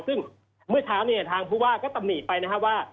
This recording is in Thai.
ซึ่งเมื่อเท้าทางผู้ว่าก็ตะหมีไปว่า